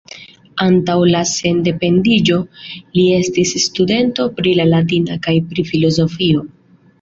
Antaŭ la sendependiĝo, li estis studento pri la latina kaj pri filozofio.